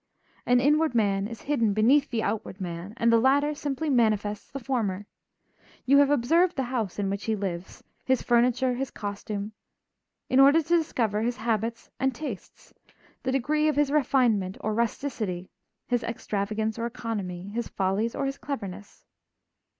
An inward man is hidden beneath the outward man, and the latter simply manifests the former. You have observed the house in which he lives, his furniture, his costume, in order to discover his habits and tastes, the degree of his refinement or rusticity, his extravagance or economy, his follies or his cleverness.